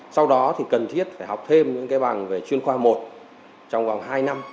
sau đó thì cần thiết phải học thêm những cái bằng về chuyên khoa một trong vòng hai năm